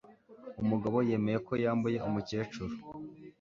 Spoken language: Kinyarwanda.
umugabo yemeye ko yambuye umukecuru